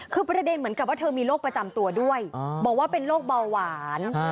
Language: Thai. คือประเด็นเหมือนกับว่าเธอมีโรคประจำตัวด้วยบอกว่าเป็นโรคเบาหวาน